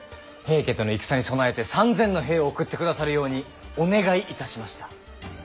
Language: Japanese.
平家との戦に備えて３，０００の兵を送ってくださるようにお願いいたしました。